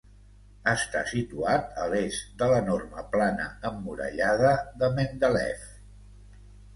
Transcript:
Està situat a l'est de l'enorme plana emmurallada de Mendeleev.